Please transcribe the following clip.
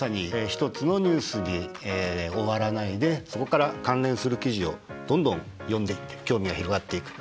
一つのニュースに終わらないでそこから関連する記事をどんどん読んでいって興味が広がっていく。